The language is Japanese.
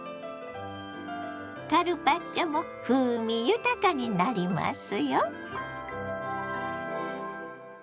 カルパッチョも風味豊かになりますよ。